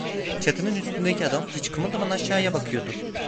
Çatının üstündeki adam hiç kımıldamadan aşağıya bakıyordu.